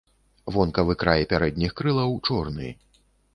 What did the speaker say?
Вонкавы край пярэдніх крылаў чорны.